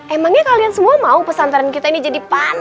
emangnya kalian semua mau pesantren kita ini jadi pan